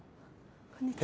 こんにちは。